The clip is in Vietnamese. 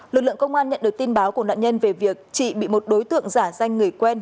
lực lượng công an nhận được tin báo của nạn nhân về việc chị bị một đối tượng giả danh người quen